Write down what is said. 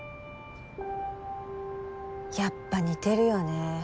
やっぱ似てるよね。